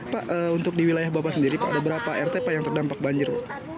pak untuk di wilayah bapak sendiri pak ada berapa rt pak yang terdampak banjir